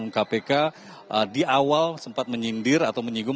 tim jaksa penuntut umum kpk di awal sempat menyindir atau menyinggung